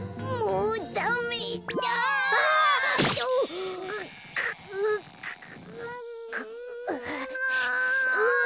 うん。